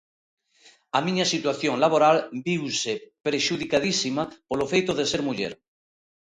A miña situación laboral viuse prexudicadísima polo feito de ser muller.